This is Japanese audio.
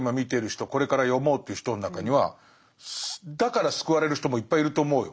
これから読もうという人の中にはだから救われる人もいっぱいいると思うよ。